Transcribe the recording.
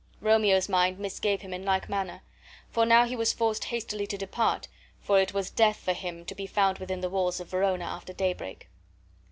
Romeo's mind misgave him in like manner. But now he was forced hastily to depart, for it was death for him to be found within the walls of Verona after daybreak.